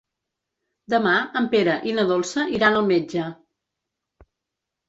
Demà en Pere i na Dolça iran al metge.